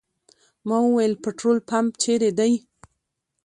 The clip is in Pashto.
ما وویل پټرول پمپ چېرې دی.